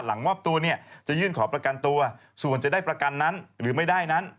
มอบตัวเนี่ยจะยื่นขอประกันตัวส่วนจะได้ประกันนั้นหรือไม่ได้นั้น